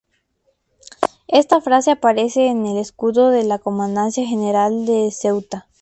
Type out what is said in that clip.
Esta frase aparece en el escudo de la Comandancia General de Ceuta.